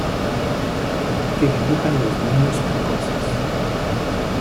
que dibujan los niños precoces: